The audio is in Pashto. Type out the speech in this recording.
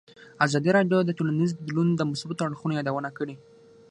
ازادي راډیو د ټولنیز بدلون د مثبتو اړخونو یادونه کړې.